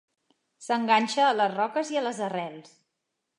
S'enganxa a les roques i a les arrels.